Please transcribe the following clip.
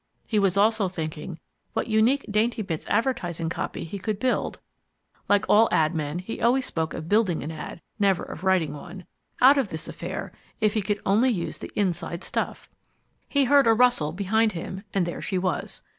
He was also thinking what unique Daintybits advertising copy he could build (like all ad men he always spoke of building an ad, never of writing one) out of this affair if he could only use the inside stuff. He heard a rustle behind him, and there she was.